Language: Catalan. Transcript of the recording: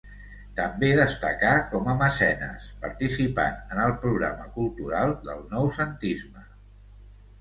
També destacà com a mecenes, participant en el programa cultural del Noucentisme.